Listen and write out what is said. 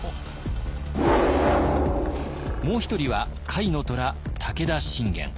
もう一人は甲斐の虎武田信玄。